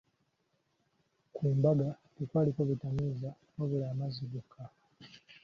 Ku mbaga tekwaliko bitamiiza wabula amazzi gokka.